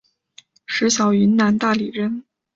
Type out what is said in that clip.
石晓云南大理人。